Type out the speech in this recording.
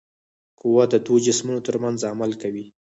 قوه د دوو جسمونو ترمنځ عمل کوي.